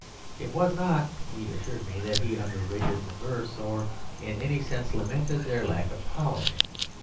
It was not (he assured me) that he underrated the verses, or in any sense lamented their lack of polish.